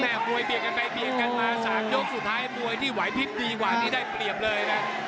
แม่มวยเบียบกันไปเบียบกันมา๓โยคสุดท้ายมวยที่ไหวโดนดีกว่านี่ได้เบียบเลยครับ